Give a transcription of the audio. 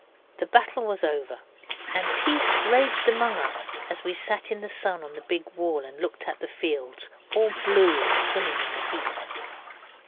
The battle was over, and peace raged among us as we sat in the sun on the big wall and looked at the fields, all blue and swimming in the heat.